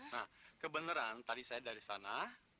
nah kebenaran tadi saya dari sana